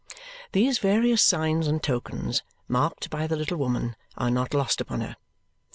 These various signs and tokens, marked by the little woman, are not lost upon her.